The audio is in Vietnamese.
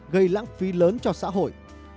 gây lãng phí lớn cho xã hội